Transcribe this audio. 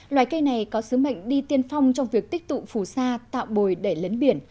loài cây này có sứ mệnh đi tiên phong trong việc tích tụ phù sa tạo bồi để lấn biển